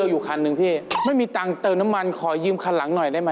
แม่ยะนางอยู่ในรถส่วนแม่มดอยู่ในบ้านครับ